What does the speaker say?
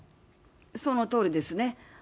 そのとおりですね。